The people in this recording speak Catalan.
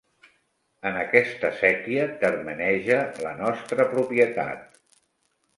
En aquesta séquia termeneja la nostra propietat.